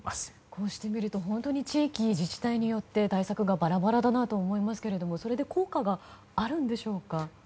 こうしてみると本当に地域、自治体によって対策がバラバラだなと思いますがそれで効果があるんでしょうか？